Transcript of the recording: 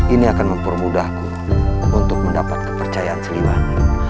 ini akan mempermudahku untuk mendapat kepercayaan seliwan